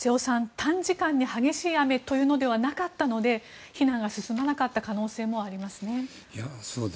短時間に激しい雨というのではなかったので避難が進まなかった可能性もありますね。